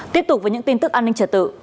tiếp tục với những tin tức an ninh trật tự